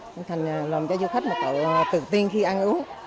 nên thành lòng cho du khách một tự tiên khi ăn uống